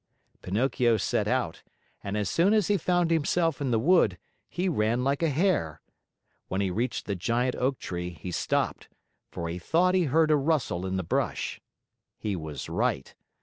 Pinocchio set out, and as soon as he found himself in the wood, he ran like a hare. When he reached the giant oak tree he stopped, for he thought he heard a rustle in the brush. He was right.